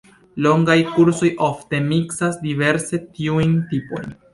Longaj kursoj ofte miksas diverse tiujn tipojn.